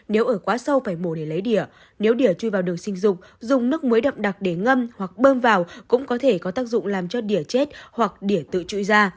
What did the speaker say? nếu ở quá sâu phải mổ để lấy đỉa nếu đỉa chui vào đường sinh dục dùng nước muối đậm đặc để ngâm hoặc bơm vào cũng có thể có tác dụng làm cho đỉa chết hoặc đỉa tự chuỗi ra